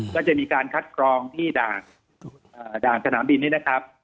ก็จะมีการคัดกรองที่ด่านสนามบินนี่นะครับ